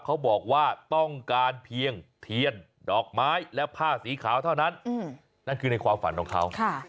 เขาบอกว่าต้องการเพียงเทียนดอกไม้และผ้าสีขาวเท่านั้นนั่นคือในความฝันของเขา